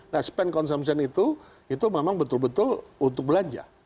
nah spend consumption itu itu memang betul betul untuk belanja